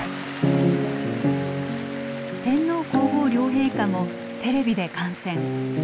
天皇皇后両陛下もテレビで観戦。